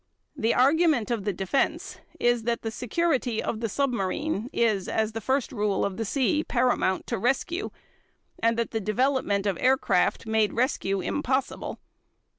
The argument of the Defense is that the security of the submarine is, as the first rule of the sea, paramount to rescue, and that the development of aircraft made rescue impossible.